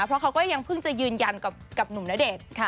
เพราะเขาก็ยังเพิ่งจะยืนยันกับหนุ่มณเดชน์